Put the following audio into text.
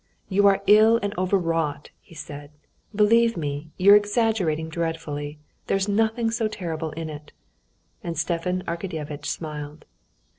"You are ill and overwrought," he said; "believe me, you're exaggerating dreadfully. There's nothing so terrible in it." And Stepan Arkadyevitch smiled.